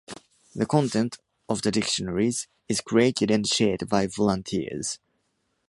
The content of the dictionaries is created and shared by volunteers.